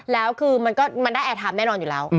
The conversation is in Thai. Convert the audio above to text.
แล้วคือมันก็มันได้แอร์ไทม์แน่นอนอยู่แล้ว